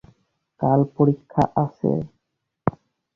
কাল পরীক্ষা আছে।